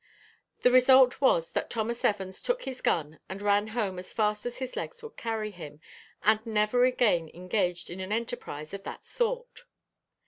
The result was, that Thomas Evans took his gun and ran home as fast as his legs would carry him, and never again engaged in an enterprise of that sort.